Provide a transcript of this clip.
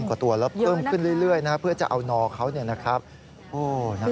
๙๐๐๐กว่าตัวแล้วเพิ่มขึ้นเรื่อยนะครับเพื่อจะเอานอเขานะครับโอ้โฮ